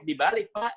di balik pak